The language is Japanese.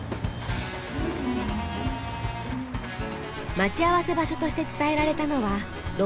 待ち合わせ場所として伝えられたのは六本木ヒルズ。